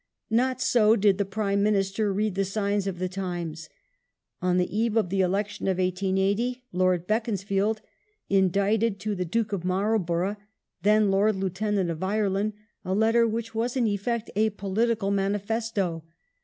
Not so did the Prime Minister read the signs of the times. On the eve of the election of 1880, Lord Beaconsfield indited to the Duke of Marlborough, then Lord Lieutenant of Ireland, a letter which was in effect a political manifesto.